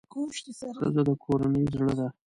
ښځه د کورنۍ زړه ده.